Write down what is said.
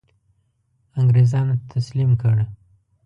انګرېزانو ته تسلیم کړ.